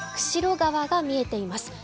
釧路川が見えています。